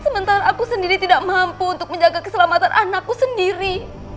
sementara aku sendiri tidak mampu untuk menjaga keselamatan anakku sendiri